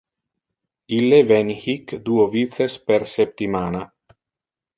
Ille veni hic duo vices per septimana.